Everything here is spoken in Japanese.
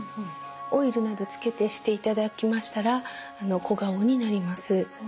オイルなどつけてしていただきましたら小顔になります。